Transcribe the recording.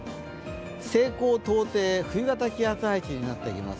西高東低、冬型気圧配置になってきます。